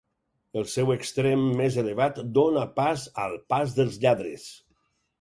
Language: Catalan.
El seu extrem més elevat dóna pas al Pas dels Lladres.